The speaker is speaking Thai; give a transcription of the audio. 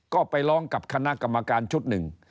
ก็ไปร้องกับคณะกรรมการชุดหนึ่ง